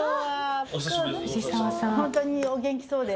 ほんとにお元気そうで。